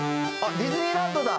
ディズニーランドの。